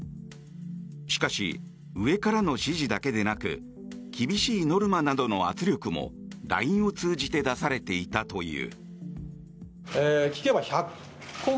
しかし、上からの指示だけでなく厳しいノルマなどの圧力もＬＩＮＥを通じて出されていたという。